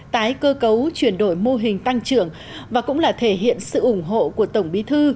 tái cơ cấu chuyển đổi mô hình tăng trưởng và cũng là thể hiện sự ủng hộ của tổng bí thư